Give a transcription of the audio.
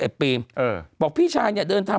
ปีเออบอกพี่ชายเนี้ยเดินทาง